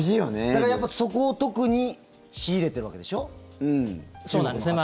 だから、そこを特に仕入れてるわけでしょそうなんですね。